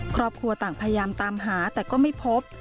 ครอบครัวต่างพยายามตามหาแต่ก็ไม่พบ